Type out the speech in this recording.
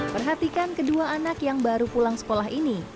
perhatikan kedua anak yang baru pulang sekolah ini